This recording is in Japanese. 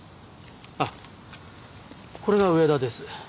あっこれが上田です。